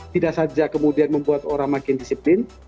tidak saja kemudian membuat orang makin disiplin